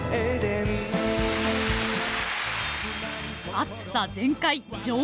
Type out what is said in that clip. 熱さ全開！